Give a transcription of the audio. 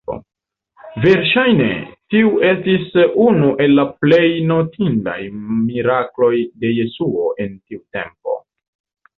Ŝajne, tiu estis unu el la plej notindaj mirakloj de Jesuo en tiu tempo.